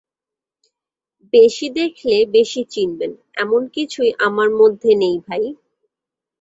বেশি দেখলে বেশি চিনবেন, এমন কিছুই আমার মধ্যে নেই ভাই।